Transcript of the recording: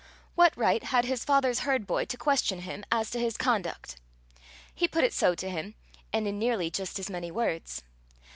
What right had his father's herd boy to question him as to his conduct? He put it so to him and in nearly just as many words.